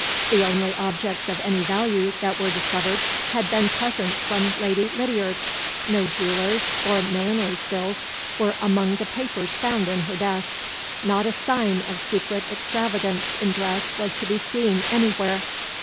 The only objects of any value that were discovered had been presents from Lady Lydiard. No jewelers' or milliners' bills were among the papers found in her desk. Not a sign of secret extravagance in dress was to be seen anywhere.